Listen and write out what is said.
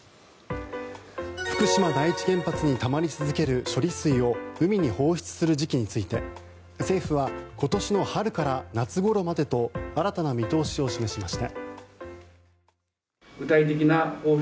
福島第一原発にたまり続ける処理水を海に放出する時期について政府は今年の春から夏ごろまでと新たな見通しを示しました。